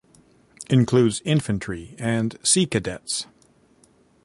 Includes Infantry and Sea Cadets.